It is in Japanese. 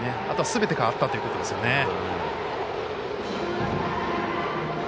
あとはすべて代わったということですね。